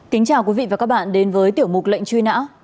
kính chào quý vị và các bạn đến với tiểu mục lệnh truy nã